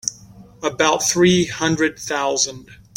About three hundred thousand.